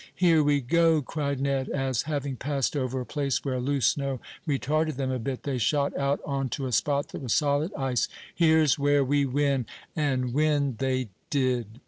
"Here we go!" cried Ned, as, having passed over a place where loose snow retarded them a bit, they shot out on to a spot that was solid ice. "Here's where we win!" And win they did.